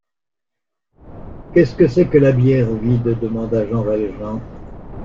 Qu’est-ce que c’est que la bière vide? demanda Jean Valjean.